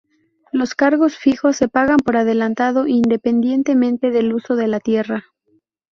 Los cargos fijos se pagan por adelantado, independientemente del uso de la tierra.